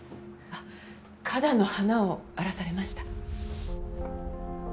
あっ花壇の花を荒らされました。